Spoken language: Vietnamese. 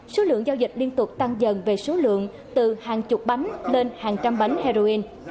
số lượng giao dịch liên tục tăng dần về số lượng từ hàng chục bánh lên hàng trăm bánh heroin